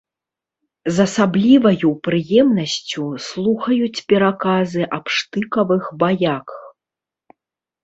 З асабліваю прыемнасцю слухаюць пераказы аб штыкавых баях.